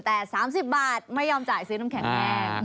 แต่๓๐บาทไม่ยอมจ่ายซื้อน้ำแข็งแห้ง